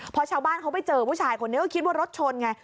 พอชาวบ้านเขาไปเจอผู้ชายคนนี้ก็คิดว่ารถชนไง